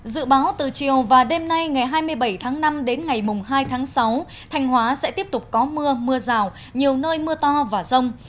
dự báo từ chiều và đêm nay ngày hai mươi bảy tháng năm đến ngày mùng hai tháng sáu thanh hóa sẽ tiếp tục có mưa mưa rào nhiều nơi mưa to và rông